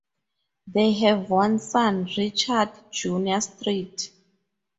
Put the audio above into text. They have one son, Richard, Junior Street.